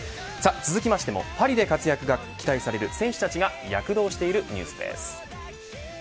続きましてもパリで活躍が期待される選手たちが躍動しているニュースです。